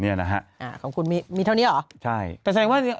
เนี่ยนะฮะอ่าของคุณมีมีเท่านี้เหรอใช่แต่แสดงว่า